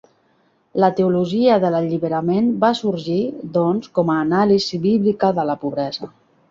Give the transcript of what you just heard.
La teologia de l'alliberament va sorgir, doncs, com a anàlisi bíblica de la pobresa.